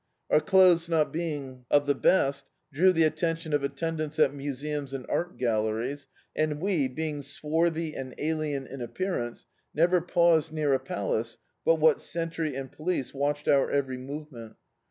Our clothes not beii^ of the best, drew the atten tion of attendants at museums and art galleries, and we, being swarthy and alien in appearance, never paused near a palace but what sentry and police watched our every movement.